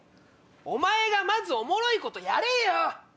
お前がまずおもろいことやれよ！